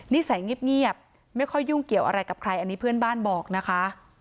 นิสัยเงียบไม่ค่อยยุ่งเกี่ยวอะไรกับใครอันนี้เพื่อนบ้านบอกนะคะ